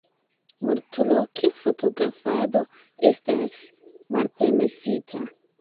Multloke fotografado estas malpermesita.